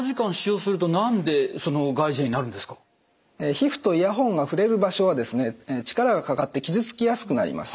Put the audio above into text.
皮膚とイヤホンが触れる場所は力がかかって傷つきやすくなります。